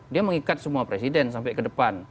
dia mengikat semua presiden sampai ke depan